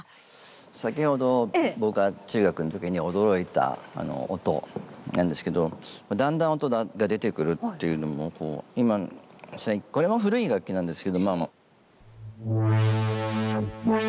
先ほど僕が中学の時に驚いた音なんですけどだんだん音が出てくるっていうのもこう今これも古い楽器なんですけど。